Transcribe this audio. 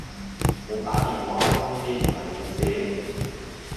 冇打電話通知唔嚟面試？